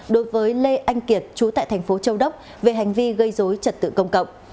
đối với lê anh kiệt chú tại tp châu đốc về hành vi gây dối trật tự công cộng